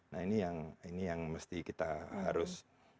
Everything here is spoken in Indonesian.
nah ini yang ini yang mesti kita kita harus mengerti